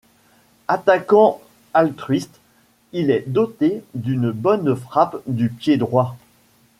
Attaquant altruiste, il est doté d'une bonne frappe du pied droit.